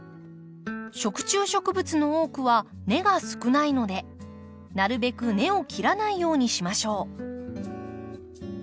食虫植物の多くは根が少ないのでなるべく根を切らないようにしましょう。